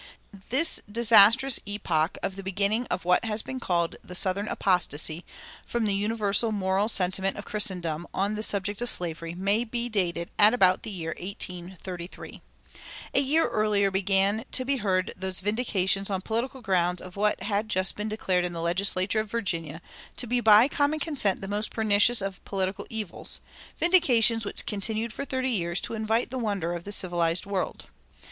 The disastrous epoch of the beginning of what has been called "the southern apostasy" from the universal moral sentiment of Christendom on the subject of slavery may be dated at about the year 1833. A year earlier began to be heard those vindications on political grounds of what had just been declared in the legislature of Virginia to be by common consent the most pernicious of political evils vindications which continued for thirty years to invite the wonder of the civilized world.